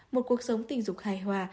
một cuộc sống tình dục hài hòa